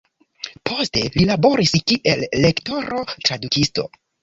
Poste li laboris kiel lektoro, tradukisto.